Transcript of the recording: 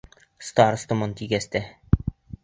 Старостамын тигәс тә...